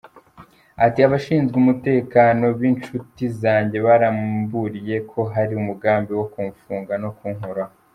Ati“ Abashinzwe umutekano b’inshuti zanjye baramburiye ko hari umugambi wo kumfunga no kunkuraho.